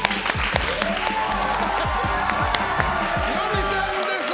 ヒロミさんです。